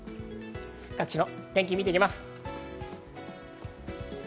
各地の天気を見ていきます。